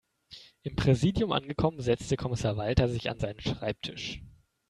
Im Präsidium angekommen, setzte Kommissar Walter sich an seinen Schreibtisch.